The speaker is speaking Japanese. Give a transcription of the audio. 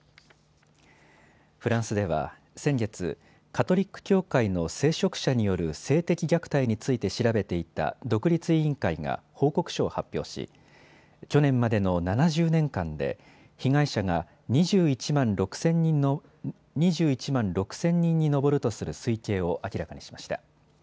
フランスでは先月、カトリック教会の聖職者による性的虐待について調べていた独立委員会が報告書を発表し去年までの７０年間で被害者が２１万６０００人に上るとする推計を明らかにしました。